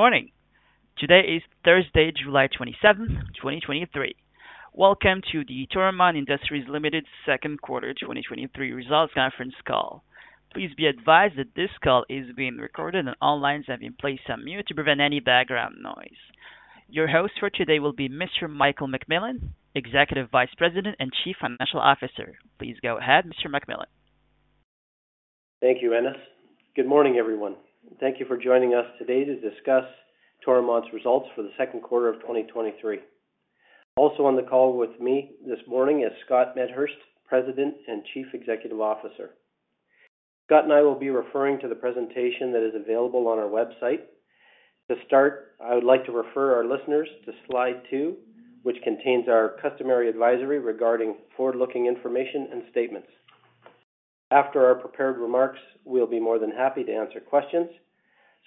Morning! Today is Thursday, July 27, 2023. Welcome to the Toromont Industries Ltd. second quarter 2023 results conference call. Please be advised that this call is being recorded and all lines have been placed on mute to prevent any background noise. Your host for today will be Mr. Michael McMillan, Executive Vice President and Chief Financial Officer. Please go ahead, Mr. McMillan. Thank you, Innes. Good morning, everyone. Thank you for joining us today to discuss Toromont's results for the second quarter of 2023. Also on the call with me this morning is Scott Medhurst, President and Chief Executive Officer. Scott and I will be referring to the presentation that is available on our website. To start, I would like to refer our listeners to slide two, which contains our customary advisory regarding forward-looking information and statements. After our prepared remarks, we'll be more than happy to answer questions.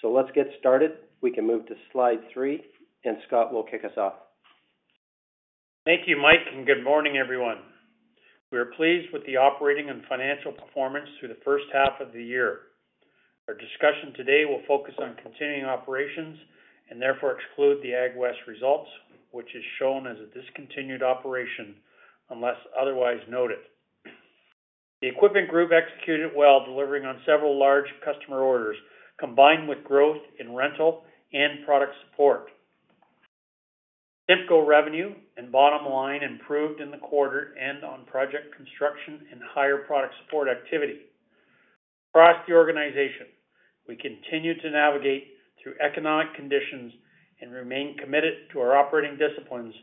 Let's get started. We can move to slide three, and Scott will kick us off. Thank you, Mike. Good morning, everyone. We are pleased with the operating and financial performance through the first half of the year. Our discussion today will focus on continuing operations and therefore exclude the AgWest results, which is shown as a discontinued operation unless otherwise noted. The Equipment Group executed well, delivering on several large customer orders, combined with growth in rental and product support. CIMCO revenue and bottom line improved in the quarter and on project construction and higher product support activity. Across the organization, we continue to navigate through economic conditions and remain committed to our operating disciplines,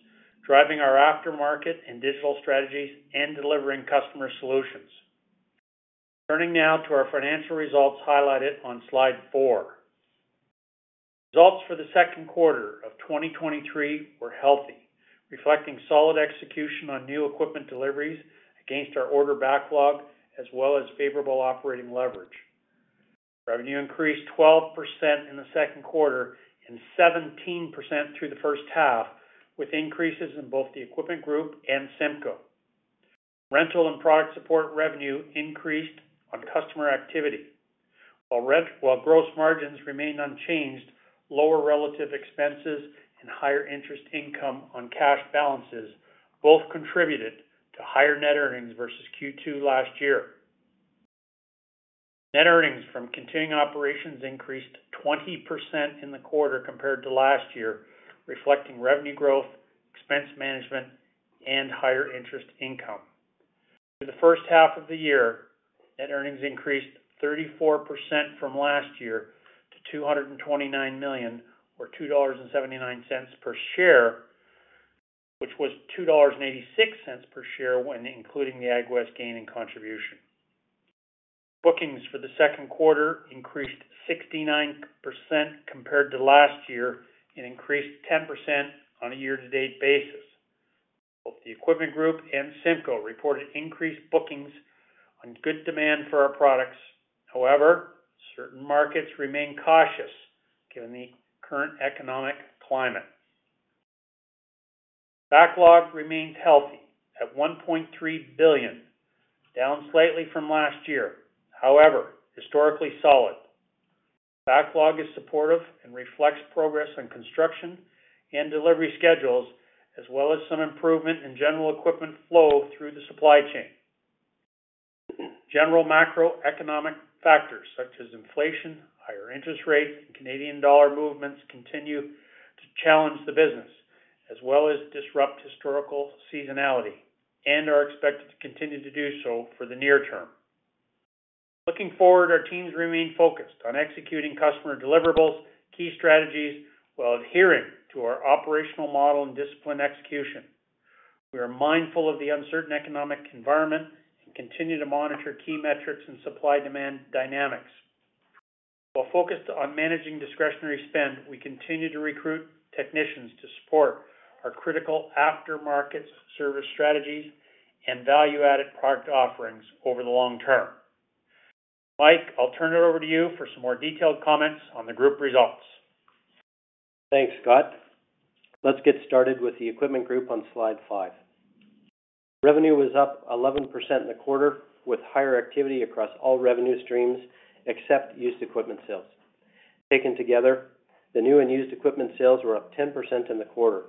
driving our aftermarket and digital strategies and delivering customer solutions. Turning now to our financial results highlighted on slide four. Results for the second quarter of 2023 were healthy, reflecting solid execution on new equipment deliveries against our order backlog, as well as favorable operating leverage. Revenue increased 12% in the second quarter and 17% through the first half, with increases in both the Equipment Group and CIMCO. Rental and product support revenue increased on customer activity. While gross margins remained unchanged, lower relative expenses and higher interest income on cash balances both contributed to higher net earnings versus Q2 last year. Net earnings from continuing operations increased 20% in the quarter compared to last year, reflecting revenue growth, expense management, and higher interest income. For the first half of the year, net earnings increased 34% from last year to 229 million or 2.79 dollars per share, which was 2.86 dollars per share when including the AgWest gain and contribution. Bookings for the second quarter increased 69% compared to last year and increased 10% on a year-to-date basis. Both the Equipment Group and CIMCO reported increased bookings on good demand for our products. Certain markets remain cautious given the current economic climate. Backlog remained healthy at 1.3 billion, down slightly from last year, however, historically solid. Backlog is supportive and reflects progress on construction and delivery schedules, as well as some improvement in general equipment flow through the supply chain. General macroeconomic factors such as inflation, higher interest rates, and Canadian dollar movements continue to challenge the business, as well as disrupt historical seasonality and are expected to continue to do so for the near term. Looking forward, our teams remain focused on executing customer deliverables, key strategies, while adhering to our operational model and disciplined execution. We are mindful of the uncertain economic environment and continue to monitor key metrics and supply-demand dynamics. While focused on managing discretionary spend, we continue to recruit technicians to support our critical aftermarket service strategies and value-added product offerings over the long term. Mike, I'll turn it over to you for some more detailed comments on the group results. Thanks, Scott Medhurst. Let's get started with the Equipment Group on slide five. Revenue was up 11% in the quarter, with higher activity across all revenue streams except used equipment sales. Taken together, the new and used equipment sales were up 10% in the quarter.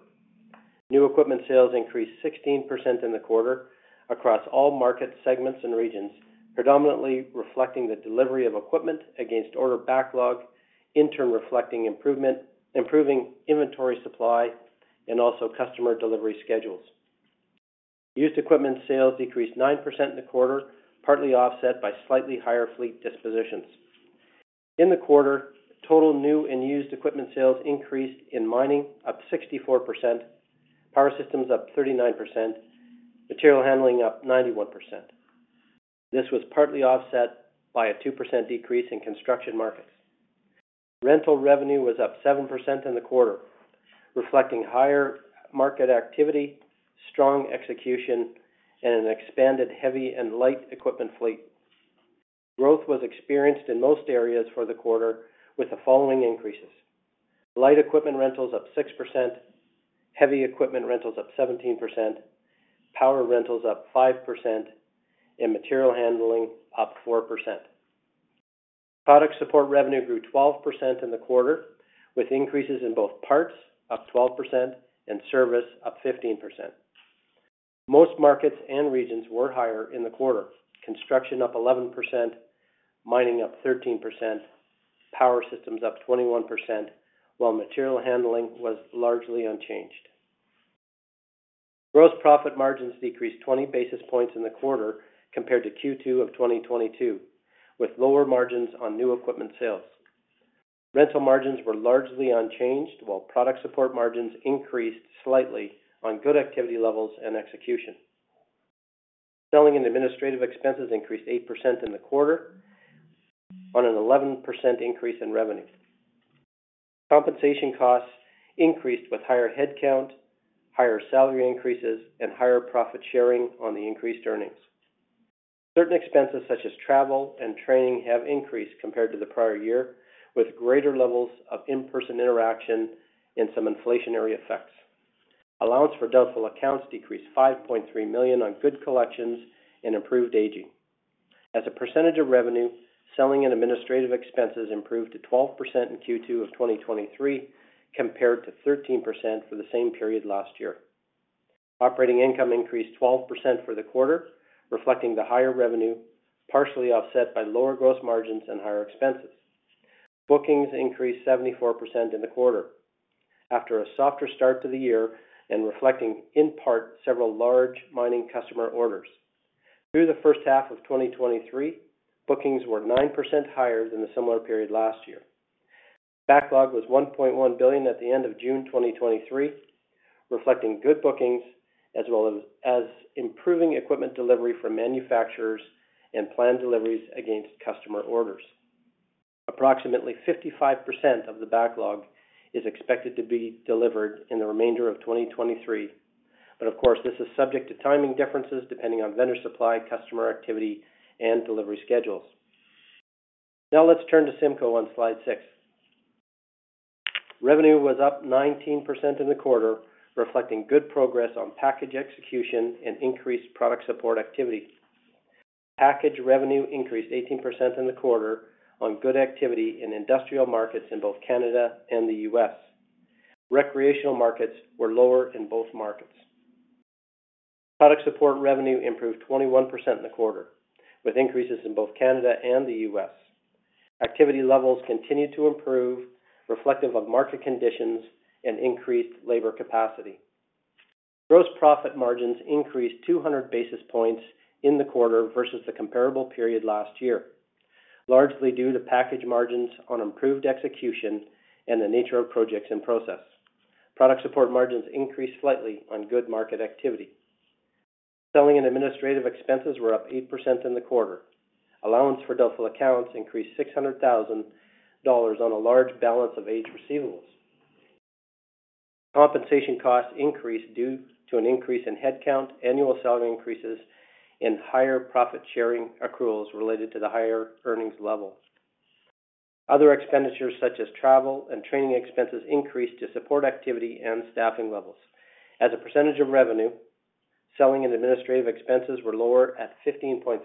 New equipment sales increased 16% in the quarter across all market segments and regions, predominantly reflecting the delivery of equipment against order backlog, in turn reflecting improvement, improving inventory supply and also customer delivery schedules. Used equipment sales decreased 9% in the quarter, partly offset by slightly higher fleet dispositions. In the quarter, total new and used equipment sales increased in mining, up 64%, power systems up 39%, material handling up 91%. This was partly offset by a 2% decrease in construction markets. Rental revenue was up 7% in the quarter, reflecting higher market activity, strong execution, and an expanded heavy and light equipment fleet. Growth was experienced in most areas for the quarter, with the following increases: light equipment rentals up 6%, heavy equipment rentals up 17%, power rentals up 5%, and material handling up 4%. Product support revenue grew 12% in the quarter, with increases in both parts, up 12%, and service, up 15%. Most markets and regions were higher in the quarter. Construction up 11%, mining up 13%, power systems up 21%, while material handling was largely unchanged. Gross profit margins decreased 20 basis points in the quarter compared to Q2 of 2022, with lower margins on new equipment sales. Rental margins were largely unchanged, while product support margins increased slightly on good activity levels and execution. Selling and administrative expenses increased 8% in the quarter on an 11% increase in revenue. Compensation costs increased with higher headcount, higher salary increases, and higher profit sharing on the increased earnings. Certain expenses, such as travel and training, have increased compared to the prior year, with greater levels of in-person interaction and some inflationary effects. Allowance for doubtful accounts decreased 5.3 million on good collections and improved aging. As a percentage of revenue, selling and administrative expenses improved to 12% in Q2 of 2023, compared to 13% for the same period last year. Operating income increased 12% for the quarter, reflecting the higher revenue, partially offset by lower gross margins and higher expenses. Bookings increased 74% in the quarter after a softer start to the year and reflecting, in part, several large mining customer orders. Through the first half of 2023, bookings were 9% higher than the similar period last year. Backlog was 1.1 billion at the end of June 2023, reflecting good bookings as well as improving equipment delivery for manufacturers and planned deliveries against customer orders. Approximately 55% of the backlog is expected to be delivered in the remainder of 2023. Of course, this is subject to timing differences depending on vendor supply, customer activity, and delivery schedules. Let's turn to CIMCO on slide six. Revenue was up 19% in the quarter, reflecting good progress on package execution and increased product support activity. Package revenue increased 18% in the quarter on good activity in industrial markets in both Canada and the U.S. Recreational markets were lower in both markets. Product support revenue improved 21% in the quarter, with increases in both Canada and the U.S. Activity levels continued to improve, reflective of market conditions and increased labor capacity. Gross profit margins increased 200 basis points in the quarter versus the comparable period last year, largely due to package margins on improved execution and the nature of projects in process. Product support margins increased slightly on good market activity. Selling and administrative expenses were up 8% in the quarter. Allowance for doubtful accounts increased 600,000 dollars on a large balance of age receivables. Compensation costs increased due to an increase in headcount, annual salary increases, and higher profit sharing accruals related to the higher earnings levels. Other expenditures, such as travel and training expenses, increased to support activity and staffing levels. As a percentage of revenue, selling and administrative expenses were lower at 15.3%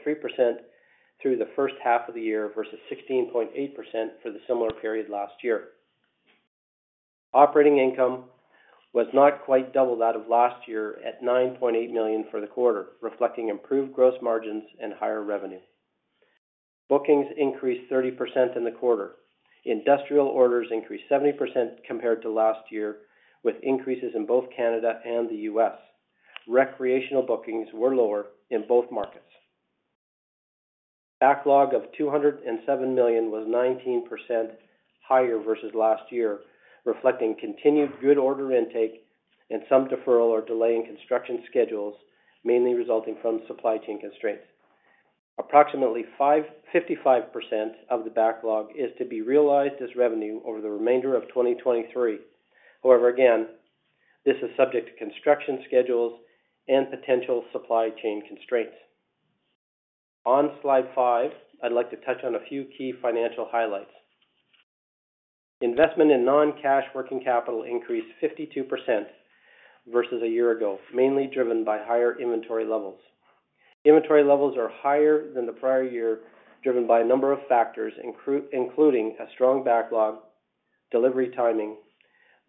through the first half of the year, versus 16.8% for the similar period last year. Operating income was not quite double that of last year at 9.8 million for the quarter, reflecting improved gross margins and higher revenue. Bookings increased 30% in the quarter. Industrial orders increased 70% compared to last year, with increases in both Canada and the U.S. Recreational bookings were lower in both markets. Backlog of 207 million was 19% higher versus last year, reflecting continued good order intake and some deferral or delay in construction schedules, mainly resulting from supply chain constraints. Approximately 55% of the backlog is to be realized as revenue over the remainder of 2023. Again, this is subject to construction schedules and potential supply chain constraints. On slide five, I'd like to touch on a few key financial highlights. Investment in non-cash working capital increased 52% versus a year ago, mainly driven by higher inventory levels. Inventory levels are higher than the prior year, driven by a number of factors, including a strong backlog, delivery, timing,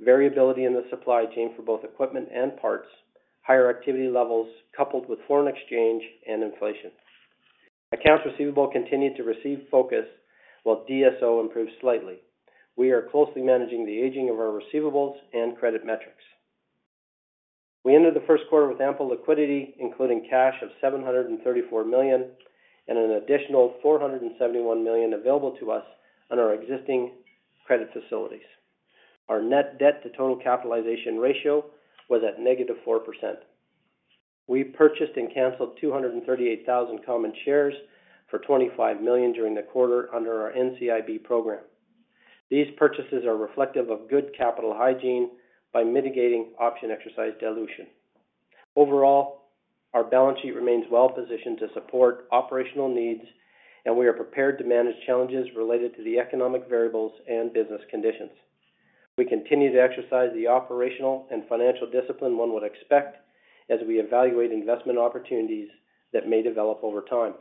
variability in the supply chain for both equipment and parts, higher activity levels, coupled with foreign exchange and inflation. Accounts receivable continued to receive focus, while DSO improved slightly. We are closely managing the aging of our receivables and credit metrics. We ended the first quarter with ample liquidity, including cash of 734 million and an additional 471 million available to us on our existing credit facilities. Our net debt to total capitalization ratio was at -4%. We purchased and canceled 238,000 common shares for 25 million during the quarter under our NCIB program. These purchases are reflective of good capital hygiene by mitigating option exercise dilution. Overall, our balance sheet remains well positioned to support operational needs, and we are prepared to manage challenges related to the economic variables and business conditions.... We continue to exercise the operational and financial discipline one would expect as we evaluate investment opportunities that may develop over time.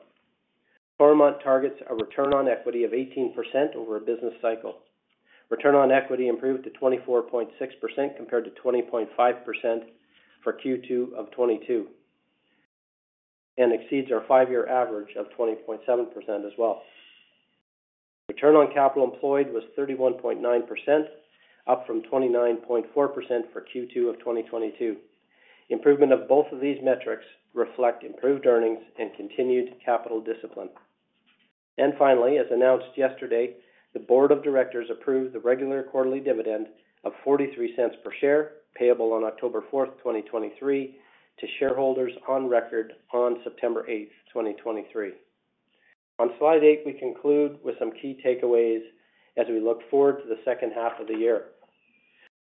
Toromont targets a return on equity of 18% over a business cycle. Return on equity improved to 24.6%, compared to 20.5% for Q2 of 2022, and exceeds our five-year average of 20.7% as well. Return on capital employed was 31.9%, up from 29.4% for Q2 of 2022. Improvement of both of these metrics reflect improved earnings and continued capital discipline. Finally, as announced yesterday, the board of directors approved the regular quarterly dividend of 0.43 per share, payable on October 4, 2023, to shareholders on record on September 8, 2023. On slide eight, we conclude with some key takeaways as we look forward to the second half of the year.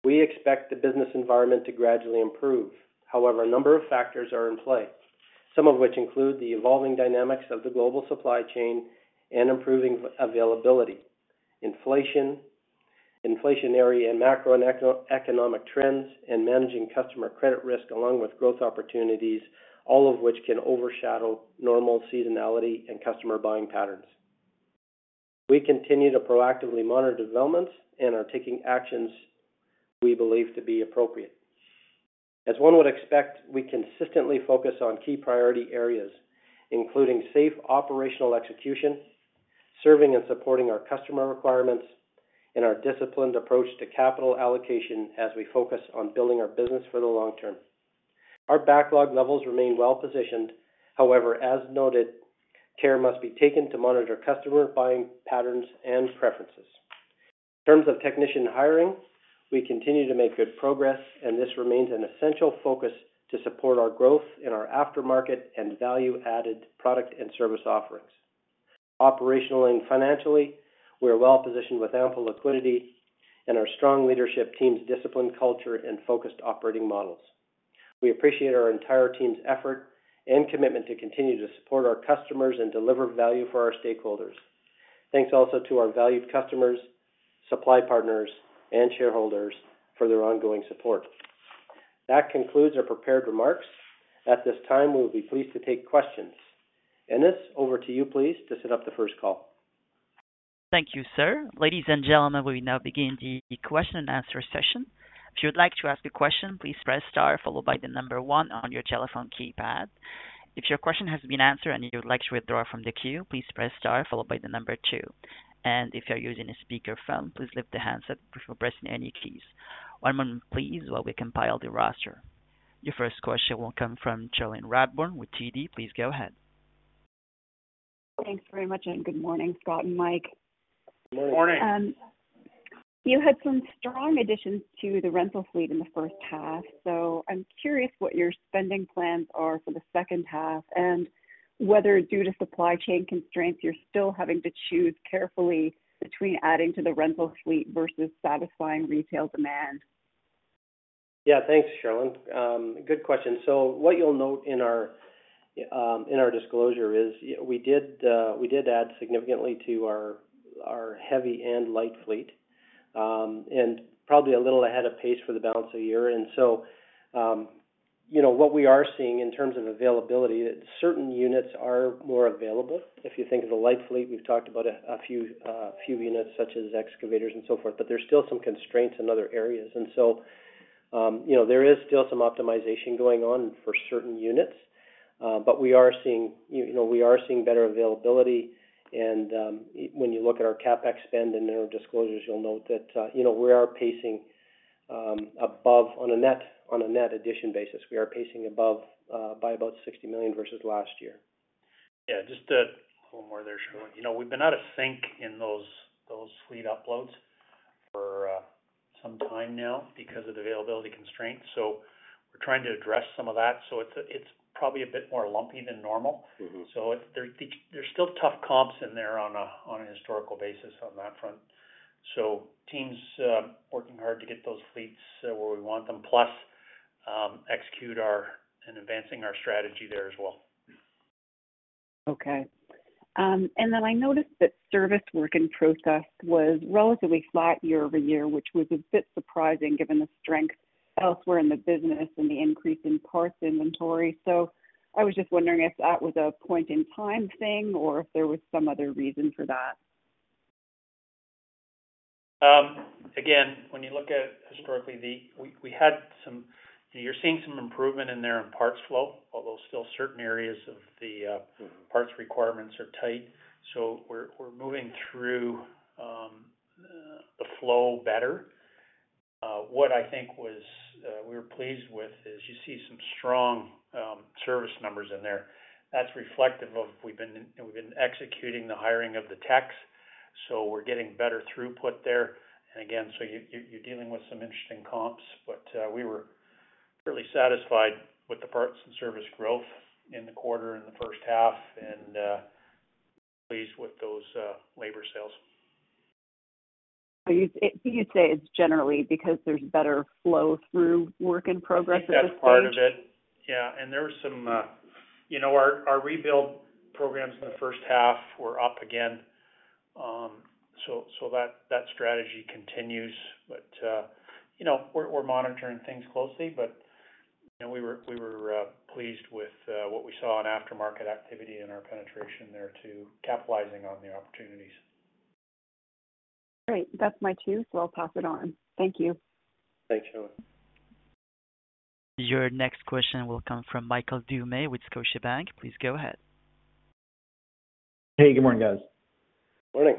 We expect the business environment to gradually improve. However, a number of factors are in play, some of which include the evolving dynamics of the global supply chain and improving availability, inflation, inflationary and macro economic trends, and managing customer credit risk along with growth opportunities, all of which can overshadow normal seasonality and customer buying patterns. We continue to proactively monitor developments and are taking actions we believe to be appropriate. As one would expect, we consistently focus on key priority areas, including safe operational execution, serving and supporting our customer requirements, and our disciplined approach to capital allocation as we focus on building our business for the long term. Our backlog levels remain well-positioned. As noted, care must be taken to monitor customer buying patterns and preferences. In terms of technician hiring, we continue to make good progress, and this remains an essential focus to support our growth in our aftermarket and value-added product and service offerings. Operationally and financially, we are well positioned with ample liquidity and our strong leadership team's disciplined culture and focused operating models. We appreciate our entire team's effort and commitment to continue to support our customers and deliver value for our stakeholders. Thanks also to our valued customers, supply partners, and shareholders for their ongoing support. That concludes our prepared remarks. At this time, we will be pleased to take questions. Innes, over to you, please, to set up the first call. Thank you, sir. Ladies and gentlemen, we now begin the question and answer session. If you would like to ask a question, please press star followed by one on your telephone keypad. If your question has been answered and you would like to withdraw from the queue, please press star followed by two. If you're using a speakerphone, please lift the handset before pressing any keys. One moment, please, while we compile the roster. Your first question will come from Cherilyn Radbourne with TD. Please go ahead. Thanks very much, good morning, Scott and Mike. Good morning! Morning. You had some strong additions to the rental fleet in the first half, so I'm curious what your spending plans are for the second half, and whether, due to supply chain constraints, you're still having to choose carefully between adding to the rental fleet versus satisfying retail demand. Yeah. Thanks, Charlene. Good question. What you'll note in our disclosure is, we did add significantly to our heavy and light fleet, and probably a little ahead of pace for the balance of the year. You know, what we are seeing in terms of availability, that certain units are more available. If you think of the light fleet, we've talked about a few units, such as excavators and so forth, but there's still some constraints in other areas. You know, there is still some optimization going on for certain units, but we are seeing, you know, better availability. When you look at our CapEx spend and their disclosures, you'll note that, you know, we are pacing above on a net, on a net addition basis. We are pacing above by about 60 million versus last year. Yeah, just a little more there, Charlene. You know, we've been out of sync in those fleet uploads for some time now because of the availability constraints, so we're trying to address some of that. So it's probably a bit more lumpy than normal. Mm-hmm. There's still tough comps in there on a historical basis on that front. Teams working hard to get those fleets where we want them, plus execute and advancing our strategy there as well. Okay. I noticed that service work in process was relatively flat year-over-year, which was a bit surprising given the strength elsewhere in the business and the increase in parts inventory. I was just wondering if that was a point in time thing, or if there was some other reason for that? When you look at historically, we had some. You're seeing some improvement in there in parts flow, although still certain areas of the Mm-hmm... parts requirements are tight, we're moving through the flow better. What I think was, we were pleased with is you see some strong service numbers in there. That's reflective of we've been executing the hiring of the techs, we're getting better throughput there. Again, you're dealing with some interesting comps, we were really satisfied with the parts and service growth in the quarter, in the first half, and pleased with those labor sales. You'd say it's generally because there's better flow through work in progress at this point? I think that's part of it. Yeah, and there are some, You know, our rebuild programs in the first half were up again. That strategy continues. You know, we're monitoring things closely, but, you know, we were pleased with what we saw in aftermarket activity and our penetration there to capitalizing on the opportunities. Great. That's my cue, so I'll pass it on. Thank you. Thanks, Cherilyn. Your next question will come from Michael Dumais with Scotiabank. Please go ahead. Hey, good morning, guys. Morning.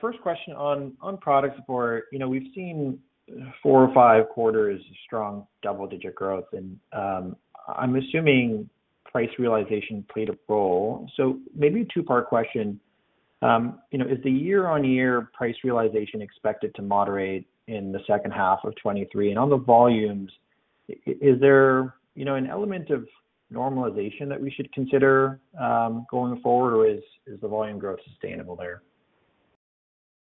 First question on product support. You know, we've seen four or five quarters of strong double-digit growth, and I'm assuming price realization played a role. Maybe a two-part question. Is the year-on-year price realization expected to moderate in the second half of 2023? On the volumes, is there, you know, an element of normalization that we should consider going forward, or is the volume growth sustainable there?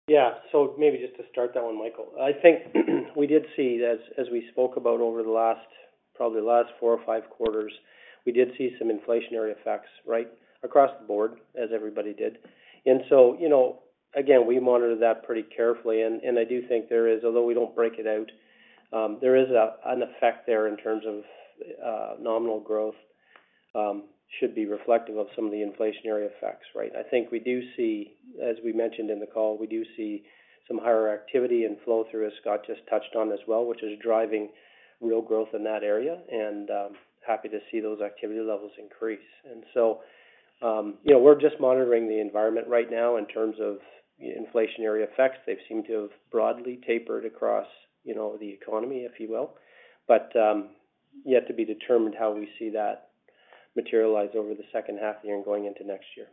Yeah. Maybe just to start that one, Michael, I think we did see as we spoke about over the last, probably the last four or five quarters, we did see some inflationary effects, right? Across the board, as everybody did. You know, again, we monitor that pretty carefully, and I do think there is, although we don't break it out, an effect there in terms of nominal growth, should be reflective of some of the inflationary effects, right? I think we do see, as we mentioned in the call, we do see some higher activity and flow-through, as Scott just touched on as well, which is driving real growth in that area, and happy to see those activity levels increase. You know, we're just monitoring the environment right now in terms of inflationary effects. They seem to have broadly tapered across, you know, the economy, if you will. Yet to be determined how we see that materialize over the second half of the year and going into next year.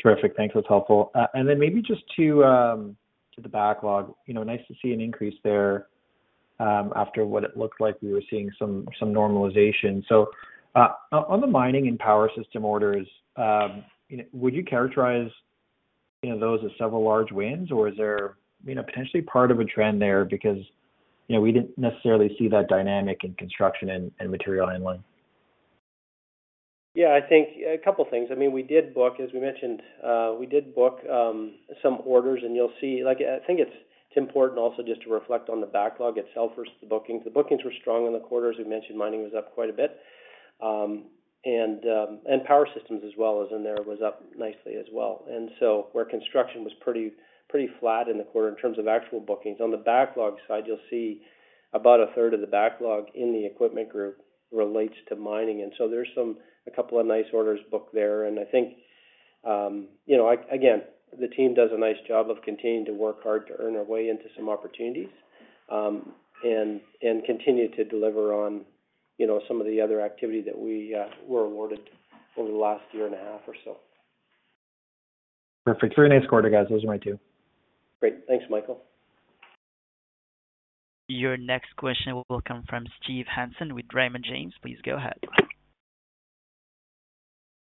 Terrific. Thanks, that's helpful. Then maybe just to the backlog. You know, nice to see an increase there, after what it looked like we were seeing some normalization. On the mining and power system orders, you know, would you characterize, you know, those as several large wins, or is there, you know, potentially part of a trend there? Because, you know, we didn't necessarily see that dynamic in construction and material handling. Yeah, I think a couple of things. I mean, we did book, as we mentioned, we did book some orders, and you'll see. Like, I think it's important also just to reflect on the backlog itself versus the bookings. The bookings were strong in the quarter. As we mentioned, mining was up quite a bit. And power systems as well, as in there, was up nicely as well. Where construction was pretty flat in the quarter in terms of actual bookings, on the backlog side, you'll see about a third of the backlog in the Equipment Group relates to mining. There's some, a couple of nice orders booked there. I think, you know, again, the team does a nice job of continuing to work hard to earn their way into some opportunities, and continue to deliver on, you know, some of the other activity that we were awarded over the last year and a half or so. Perfect. Very nice quarter, guys. Those are mine too. Great. Thanks, Michael. Your next question will come from Steve Hansen with Raymond James. Please go ahead.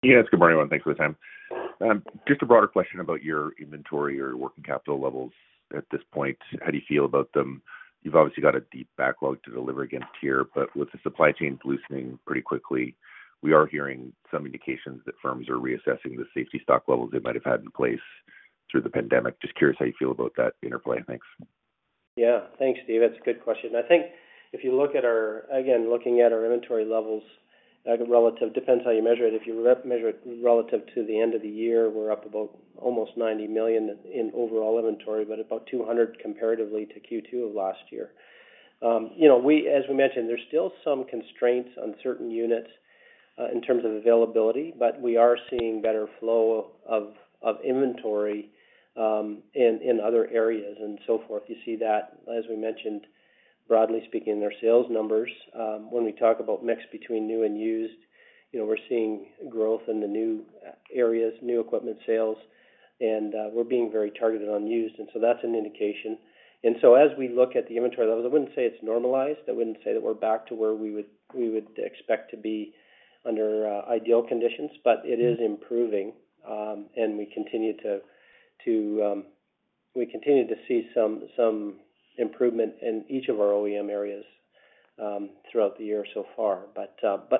Good morning, everyone. Thanks for the time. Just a broader question about your inventory or working capital levels at this point. How do you feel about them? You've obviously got a deep backlog to deliver against here, but with the supply chains loosening pretty quickly, we are hearing some indications that firms are reassessing the safety stock levels they might have had in place through the pandemic. Just curious how you feel about that interplay. Thanks. Yeah. Thanks, Steve. That's a good question. I think if you look at our... Again, looking at our inventory levels, like relative, depends how you measure it. If you re-measure it relative to the end of the year, we're up about almost 90 million in overall inventory, but about 200 million comparatively to Q2 of last year. You know, as we mentioned, there's still some constraints on certain units in terms of availability, but we are seeing better flow of inventory in other areas and so forth. You see that, as we mentioned, broadly speaking, in our sales numbers. When we talk about mix between new and used, you know, we're seeing growth in the new areas, new equipment sales, we're being very targeted on used, that's an indication. As we look at the inventory levels, I wouldn't say it's normalized. I wouldn't say that we're back to where we would expect to be under ideal conditions, but it is improving. We continue to, we continue to see some improvement in each of our OEM areas throughout the year so far.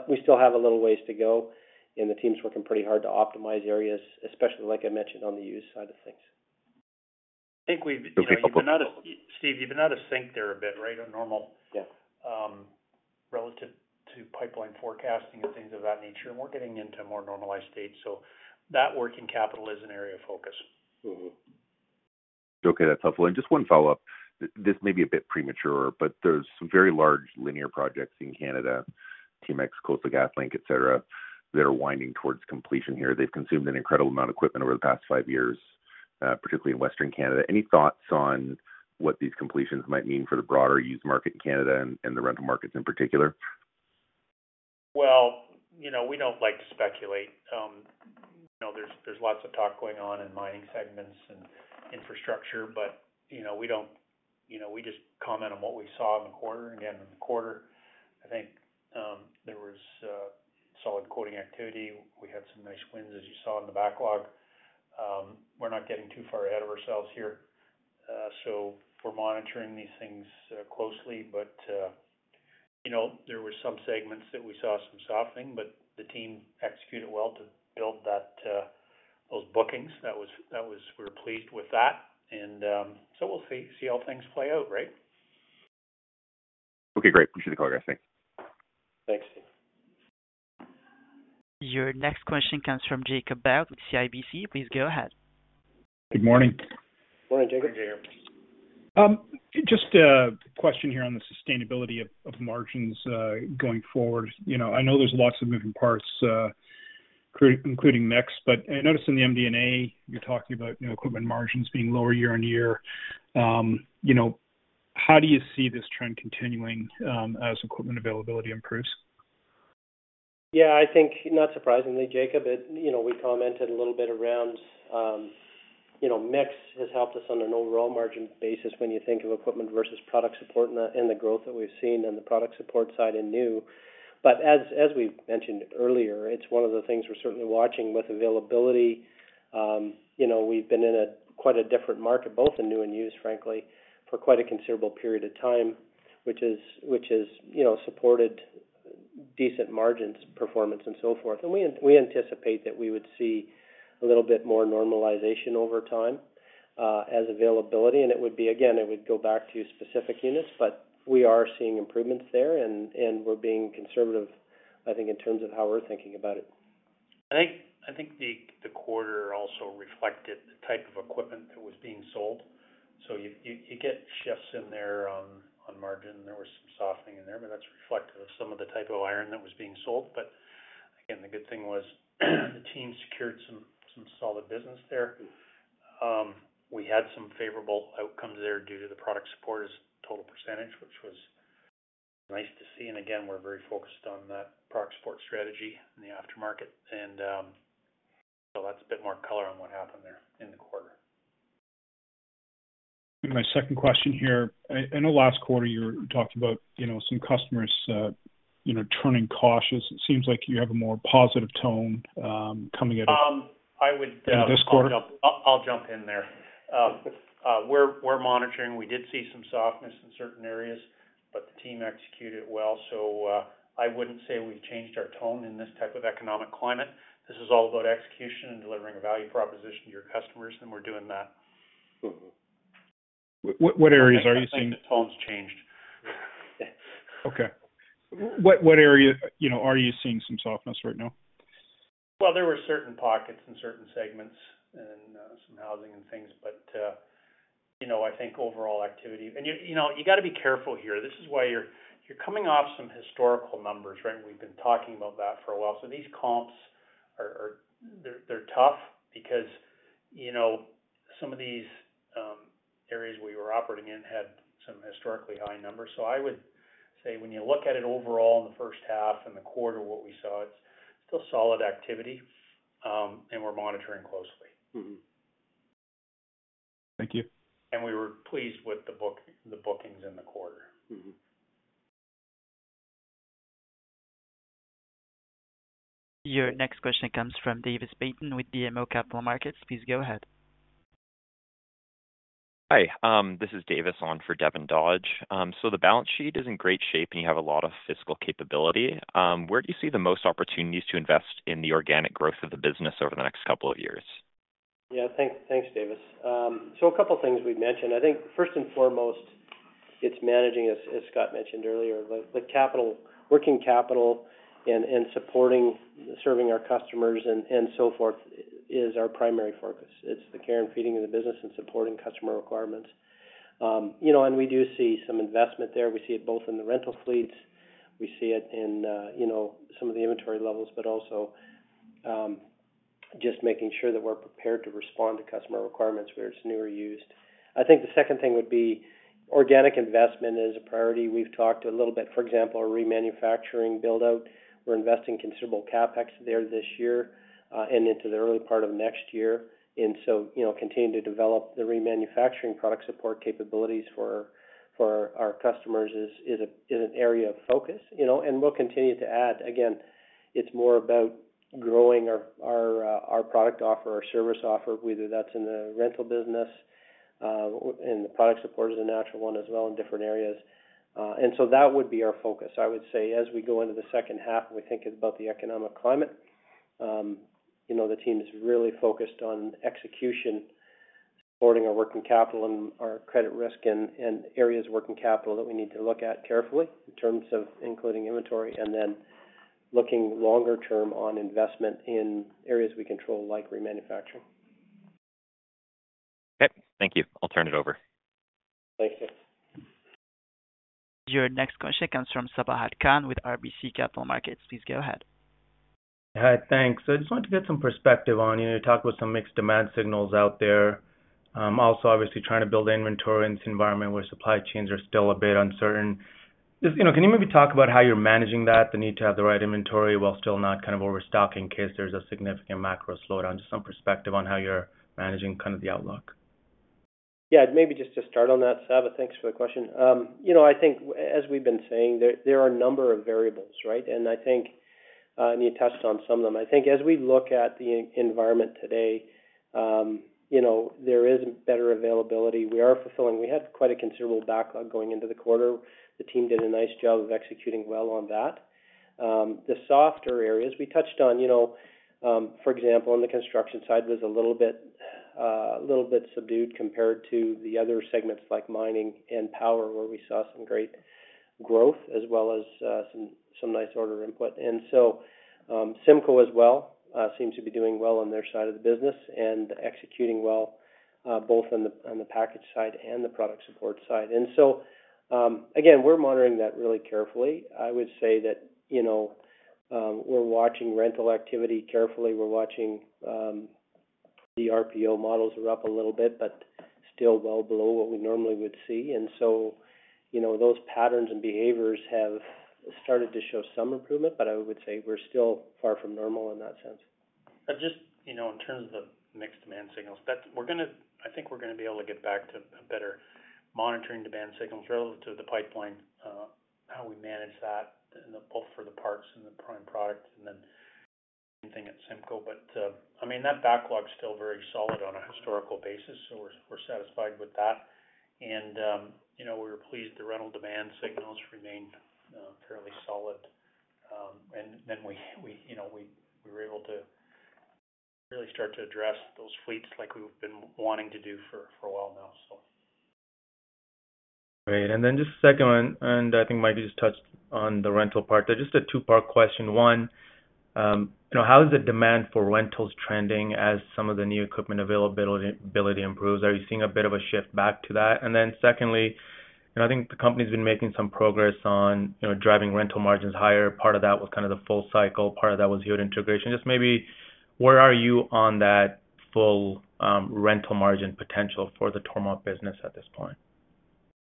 We still have a little ways to go, and the team's working pretty hard to optimize areas, especially, like I mentioned, on the used side of things. I think we've- Yeah. Steve, you've been out of sync there a bit, right? Yeah. relative to pipeline forecasting and things of that nature, and we're getting into a more normalized state. That working capital is an area of focus. Mm-hmm. Okay, that's helpful. Just one follow-up. This may be a bit premature, but there's some very large linear projects in Canada, TMX, Coastal GasLink, etcetera, that are winding towards completion here. They've consumed an incredible amount of equipment over the past five years, particularly in Western Canada. Any thoughts on what these completions might mean for the broader used market in Canada and the rental markets in particular? Well, you know, we don't like to speculate. You know, there's lots of talk going on in mining segments and infrastructure, but, you know, we just comment on what we saw in the quarter. Again, in the quarter, I think, there was solid quoting activity. We had some nice wins, as you saw in the backlog. We're not getting too far ahead of ourselves here. We're monitoring these things closely, but, you know, there were some segments that we saw some softening, but the team executed well to build that those bookings. That was We were pleased with that. We'll see how things play out, right? Okay, great. Appreciate the call, guys. Thanks. Thanks. Your next question comes from Jacob Berg with CIBC. Please go ahead. Good morning. Morning, Jacob. Good morning. Just a question here on the sustainability of margins going forward. You know, I know there's lots of moving parts, including mix, but I noticed in the MD&A, you're talking about new equipment margins being lower year-on-year. You know, how do you see this trend continuing as equipment availability improves? I think, not surprisingly, Jacob, you know, we commented a little bit around, you know, mix has helped us on an overall margin basis when you think of equipment versus product support and the growth that we've seen in the product support side in new. As we mentioned earlier, it's one of the things we're certainly watching with availability. You know, we've been in a quite a different market, both in new and used, frankly, for quite a considerable period of time, which is, you know, supported decent margins, performance, and so forth. We anticipate that we would see a little bit more normalization over time, as availability. It would be, again, it would go back to specific units, but we are seeing improvements there, and we're being conservative, I think, in terms of how we're thinking about it. I think the quarter also reflected the type of equipment that was being sold. You get shifts in there on margin. There was some softening in there, but that's reflective of some of the type of iron that was being sold. Again, the good thing was, the team secured some solid business there. We had some favorable outcomes there due to the product supporters' total percentage, which was nice to see. Again, we're very focused on that product support strategy in the aftermarket. That's a bit more color on what happened there in the quarter. My second question here. I know last quarter you talked about, you know, some customers, you know, turning cautious. It seems like you have a more positive tone, coming out of. I would. this quarter. I'll jump in there. We're monitoring. We did see some softness in certain areas. The team executed it well. I wouldn't say we've changed our tone in this type of economic climate. This is all about execution and delivering a value proposition to your customers. We're doing that. Mm-hmm. What areas are you seeing- I don't think the tone's changed. Okay. What area, you know, are you seeing some softness right now? Well, there were certain pockets in certain segments and some housing and things, but, you know, I think overall activity... You know, you got to be careful here. This is why you're coming off some historical numbers, right? We've been talking about that for a while. These comps are tough because, you know, some of these areas we were operating in had some historically high numbers. I would say when you look at it overall in the first half and the quarter, what we saw, it's still solid activity, and we're monitoring closely. Mm-hmm. Thank you. We were pleased with the bookings in the quarter. Mm-hmm. Your next question comes from Davis Baynton with BMO Capital Markets. Please go ahead. Hi, this is Davis Baynton on for Devin Dodge. The balance sheet is in great shape, and you have a lot of fiscal capability. Where do you see the most opportunities to invest in the organic growth of the business over the next couple of years? Yeah. Thanks, Davis. A couple of things we've mentioned. I think first and foremost, it's managing, as Scott mentioned earlier, the capital, working capital and supporting, serving our customers and so forth, is our primary focus. It's the care and feeding of the business and supporting customer requirements. You know, we do see some investment there. We see it both in the rental fleets, we see it in, you know, some of the inventory levels, but also, just making sure that we're prepared to respond to customer requirements, whether it's new or used. I think the second thing would be organic investment is a priority. We've talked a little bit, for example, our remanufacturing build-out. We're investing considerable CapEx there this year, and into the early part of next year. You know, continuing to develop the remanufacturing product support capabilities for our customers is an area of focus, you know, and we'll continue to add. Again, it's more about growing our product offer, our service offer, whether that's in the rental business, and the product support is a natural one as well in different areas. That would be our focus. I would say, as we go into the second half, and we think about the economic climate, you know, the team is really focused on execution, supporting our working capital and our credit risk and areas of working capital that we need to look at carefully in terms of including inventory, and then looking longer term on investment in areas we control, like remanufacturing. Okay, thank you. I'll turn it over. Thanks, Davis Baynton. Your next question comes from Sabahat Khan with RBC Capital Markets. Please go ahead. Hi, thanks. I just wanted to get some perspective on, you know, talk about some mixed demand signals out there. Also, obviously, trying to build inventory in this environment where supply chains are still a bit uncertain. Just, you know, can you maybe talk about how you're managing that, the need to have the right inventory while still not kind of overstocking in case there's a significant macro slowdown? Just some perspective on how you're managing kind of the outlook. Yeah, maybe just to start on that, Sabah, thanks for the question. You know, I think as we've been saying, there are a number of variables, right? I think, and you touched on some of them. I think as we look at the environment today, you know, there is better availability. We are fulfilling. We had quite a considerable backlog going into the quarter. The team did a nice job of executing well on that. The softer areas we touched on, you know, for example, on the construction side was a little bit subdued compared to the other segments, like mining and power, where we saw some great growth as well as some nice order input. CIMCO as well, seems to be doing well on their side of the business and executing well, both on the package side and the product support side. Again, we're monitoring that really carefully. I would say that, you know, we're watching rental activity carefully. We're watching, the RPO models are up a little bit, but still well below what we normally would see. You know, those patterns and behaviors have started to show some improvement, but I would say we're still far from normal in that sense. Just, you know, in terms of the mixed demand signals, that I think we're gonna be able to get back to a better monitoring demand signals relative to the pipeline, how we manage that in the... Both for the parts and the prime product, and then anything at CIMCO. I mean, that backlog is still very solid on a historical basis, so we're satisfied with that. You know, we were pleased the rental demand signals remained fairly solid. We, you know, we were able to really start to address those fleets like we've been wanting to do for a while now, so. Great. Then just the second one, and I think Mike just touched on the rental part. Just a two-part question. One, you know, how is the demand for rentals trending as some of the new equipment availability, ability improves? Are you seeing a bit of a shift back to that? Then secondly, you know, I think the company's been making some progress on, you know, driving rental margins higher. Part of that was kind of the full cycle, part of that was your integration. Just maybe, where are you on that full rental margin potential for the Toromont business at this point?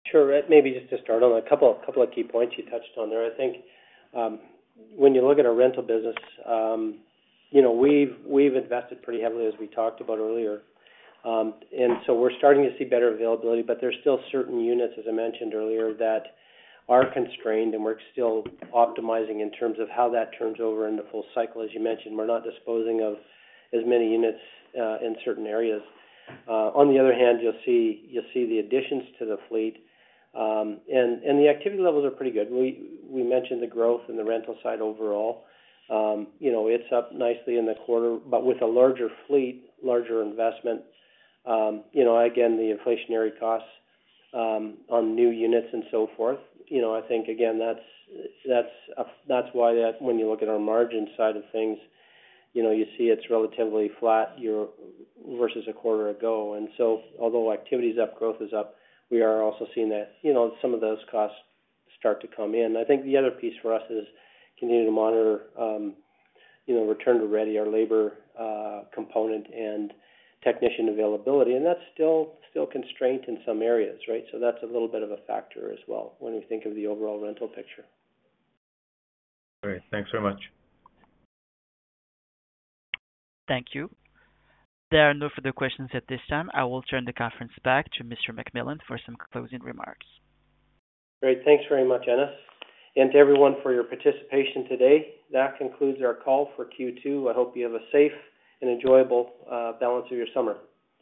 Sure. Maybe just to start on a couple of key points you touched on there. I think, when you look at our rental business, you know, we've invested pretty heavily, as we talked about earlier. We're starting to see better availability, but there's still certain units, as I mentioned earlier, that are constrained, and we're still optimizing in terms of how that turns over in the full cycle. As you mentioned, we're not disposing of as many units in certain areas. On the other hand, you'll see the additions to the fleet, and the activity levels are pretty good. We mentioned the growth in the rental side overall. You know, it's up nicely in the quarter, but with a larger fleet, larger investment, you know, again, the inflationary costs on new units and so forth. You know, I think again, that's why that when you look at our margin side of things, you know, you see it's relatively flat year versus a quarter ago. Although activity is up, growth is up, we are also seeing that, you know, some of those costs start to come in. I think the other piece for us is continuing to monitor, you know, return to ready, our labor component and technician availability, and that's still constrained in some areas, right? That's a little bit of a factor as well when we think of the overall rental picture. Great. Thanks very much. Thank you. There are no further questions at this time. I will turn the conference back to Mr. McMillan for some closing remarks. Great. Thanks very much, Innes, and to everyone for your participation today. That concludes our call for Q2. I hope you have a safe and enjoyable balance of your summer.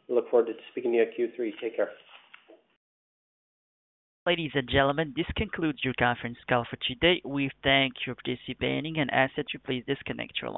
We look forward to speaking to you at Q3. Take care. Ladies and gentlemen, this concludes your conference call for today. We thank you for participating and ask that you please disconnect your.